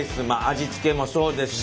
味付けもそうですし